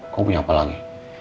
kamu punya apa lagi